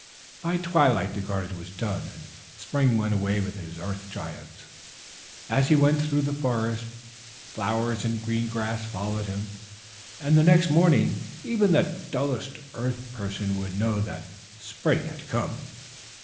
By twilight the garden was done, and Spring went away with his Earth Giants. As he went out through the forest, flowers and green grass followed him and the next morning even the dullest Earth Person would know that Spring had come.